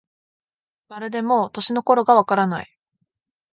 まるでもう、年の頃がわからない